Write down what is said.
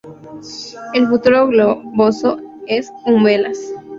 El fruto globoso en umbelas.